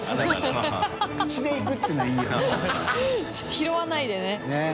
拾わないでね。ねぇ。